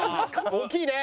大きいね。